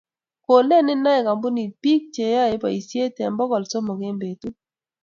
koleni noe kampunit biik che yoe boisie eng bokol somok eng betuu.